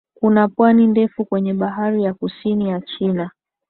Kuna pwani ndefu kwenye Bahari ya Kusini ya China